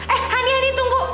eh hani hani tunggu